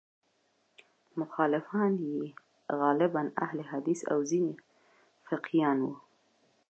مخالفان یې غالباً اهل حدیث او ځینې فقیهان وو.